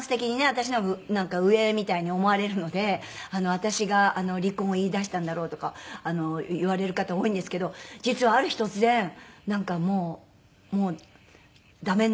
私の方がなんか上みたいに思われるので私が離婚を言いだしたんだろうとか言われる方多いんですけど実はある日突然「なんかもうダメになった」って言われて。